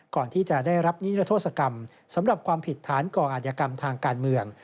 ก่อนที่จะได้รับนิรโทษกรรมสำหรับความผิดฐานก่ออาจยกรรมทางการเมือง